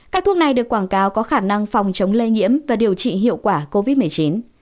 các thuốc này được quảng cáo có khả năng phòng chống lây nhiễm và điều trị hiệu quả covid một mươi chín